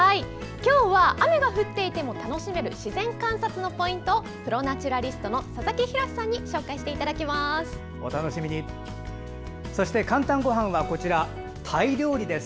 今日は雨が降っていても楽しめる自然観察のポイントをプロ・ナチュラリストの佐々木洋さんに紹介していただきます。